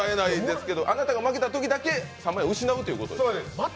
あなたが負けたときだけ３万円失うということですね？